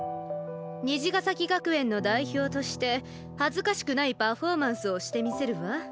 虹ヶ咲学園の代表として恥ずかしくないパフォーマンスをしてみせるわ。